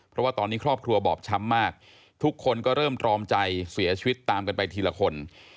เพราะว่าตอนนี้ครอบครัวบอบช้ำมากทุกคนก็เริ่มตรอมใจเสียชีวิตตามกันไปทีละคน